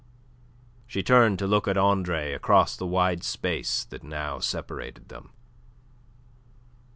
She turned to look at Andre across the wide space that now separated them.